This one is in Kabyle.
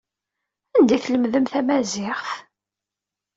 Anda ay tlemdem tamaziɣt?